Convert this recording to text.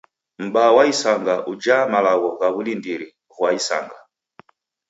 M'baa wa isanga ujaa malagho gha w'ulindiri ghwa isanga.